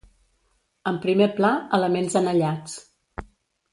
En primer pla, elements anellats.